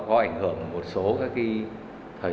các chi phí